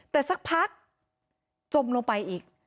แต่สักพักจมลงไปอีก